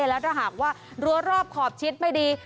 แล้วถ้าหากว่ารั้วรอบขอบชิดไม่ดี